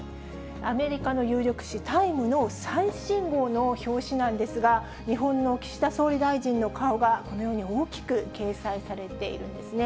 アメリカの有力誌、タイムの最新号の表紙なんですが、日本の岸田総理大臣の顔がこのように大きく掲載されているんですね。